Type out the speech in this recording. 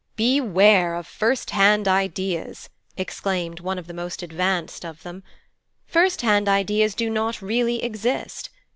'Beware of first hand ideas!' exclaimed one of the most advanced of them. 'First hand ideas do not really exist.